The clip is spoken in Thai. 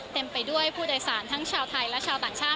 เต็มไปด้วยผู้โดยสารทั้งชาวไทยและชาวต่างชาติ